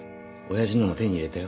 親父のも手に入れたよ。